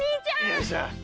よいしょ。